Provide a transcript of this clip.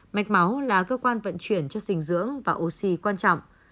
mạch máu là cơ quan vận chuyển cho sinh dưỡng và oxy quan trọng